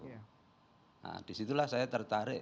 nah disitulah saya tertarik